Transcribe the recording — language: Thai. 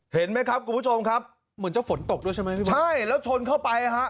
เห็นไหมครับคุณผู้ชมครับเหมือนจะฝนตกด้วยใช่ไหมพี่ใช่แล้วชนเข้าไปฮะ